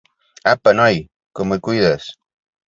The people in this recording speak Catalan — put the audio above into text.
Apa, noi, com et cuides!